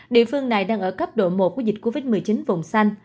địa phương này đang ở cấp độ một của dịch covid một mươi chín vùng xanh